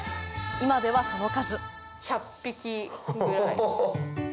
今ではその数・お！